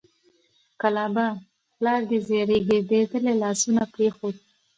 کلابه! پلار دې رېږدېدلي لاسونه پرېښود